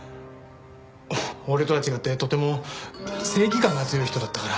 俺とは違ってとても正義感が強い人だったから。